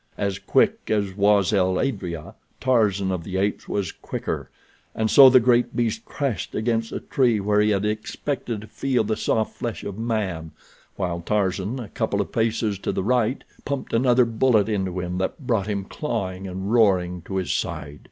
As quick as was el adrea, Tarzan of the Apes was quicker, and so the great beast crashed against a tree where he had expected to feel the soft flesh of man, while Tarzan, a couple of paces to the right, pumped another bullet into him that brought him clawing and roaring to his side.